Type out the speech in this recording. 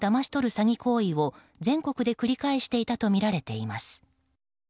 詐欺行為を全国で繰り返していたとみられています。